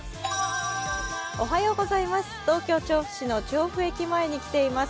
東京・調布市の調布駅前に来ています。